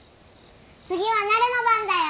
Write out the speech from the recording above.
次はなるの番だよ。